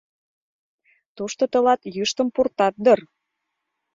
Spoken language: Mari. Тушто тылат йӱштым пуртат дыр.